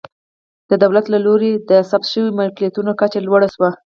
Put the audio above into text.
د دولت له لوري د ضبط شویو ملکیتونو کچه لوړه شوه.